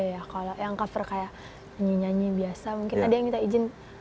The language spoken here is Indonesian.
iya kalau yang cover kayak nyanyi nyanyi biasa mungkin ada yang minta izin